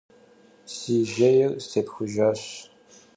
Си жейр степхужащ.